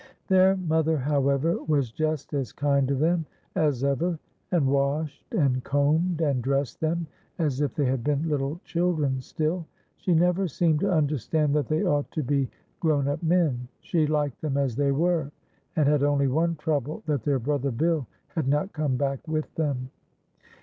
Tiieir mother, howe\'er, was just as kind to them as ever, and washed, and combed, ami dressed them as if they had been little children still. She never seemed to understand that they ought to be grown up men. She liked them as they were, and had only one trouble, that their brother Bill had not come back with them.